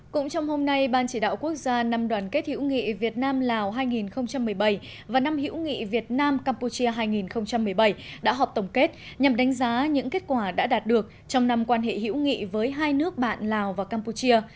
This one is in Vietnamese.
cũng trong hôm nay ban chỉ đạo quốc gia năm đoàn kết hữu nghị việt nam lào hai nghìn một mươi bảy và năm hữu nghị việt nam campuchia hai nghìn một mươi bảy đã họp tổng kết nhằm đánh giá những kết quả đã đạt được trong năm quan hệ hữu nghị với hai nước bạn lào và campuchia